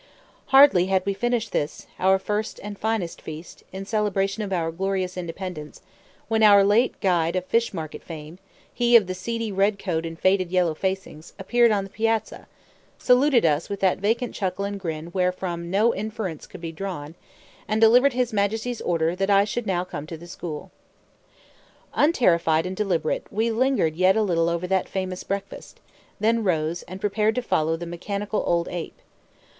Hardly had we finished this, our first and finest feast, in celebration of our glorious independence, when our late guide of fish market fame, he of the seedy red coat and faded yellow facings, appeared on the piazza, saluted us with that vacant chuckle and grin wherefrom no inference could be drawn, and delivered his Majesty's order that I should now come to the school. Unterrified and deliberate, we lingered yet a little over that famous breakfast, then rose, and prepared to follow the mechanical old ape.